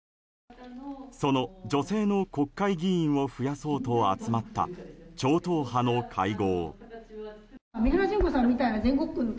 その女性の国会議員を増やそうと集まった超党派の会合。